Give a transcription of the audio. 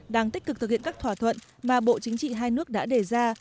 đang tích cực thực hiện các thỏa thuận mà bộ chính trị hai nước đã đề ra